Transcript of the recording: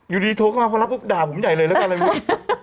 อยู่ดีโทรเข้ามาเพราะล่ะปุ๊บด่าผมใหญ่เลยแล้วกันเลย